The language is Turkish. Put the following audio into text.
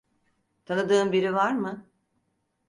Tanıdığın biri var mı?